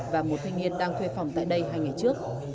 và một thanh niên đang thuê phòng tại đây hai ngày trước